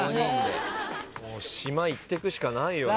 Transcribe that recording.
島言ってくしかないよね。